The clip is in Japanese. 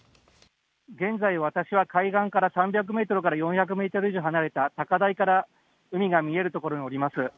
現在私は海岸から３００メートルから４００メートル以上離れた高台から海が見えるところにおります。